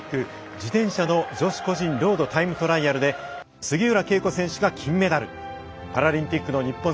自転車の女子個人ロードタイムトライアルで杉浦佳子選手が金メダル。